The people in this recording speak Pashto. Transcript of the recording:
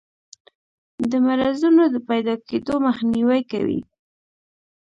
د مرضونو د پیداکیدو مخنیوی کوي.